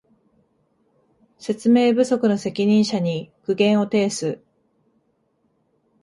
説明不足の責任者に苦言を呈す